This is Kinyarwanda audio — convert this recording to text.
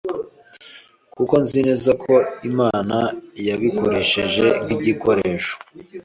kuko nzi neza ko Imana yabikoresheje nk’igikoresho